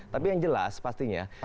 tapi yang jelas pastinya